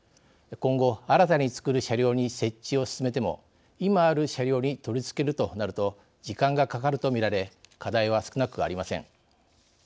今後新たに作る車両に設置を進めても今ある車両に取り付けるとなると時間がかかるとみられ課題は少なくありません。